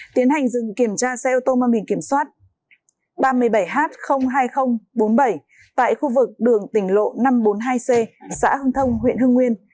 tiến hành dừng kiểm tra xe ô tô mang biển kiểm soát ba mươi bảy h hai nghìn bốn mươi bảy tại khu vực đường tỉnh lộ năm trăm bốn mươi hai c xã hưng thông huyện hưng nguyên